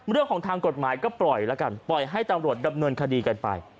เรื่องของทางกฎหมายก็ปล่อยแล้วกันปล่อยให้ตำรวจดำเนินคดีกันไป